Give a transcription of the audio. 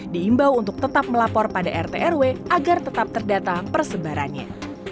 diimbau untuk tetap melapor pada rt rw agar tetap terdata persebarannya